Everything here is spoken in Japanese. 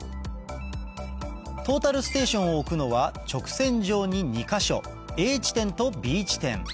トータルステーションを置くのは直線上に２か所Ａ地点とＢ地点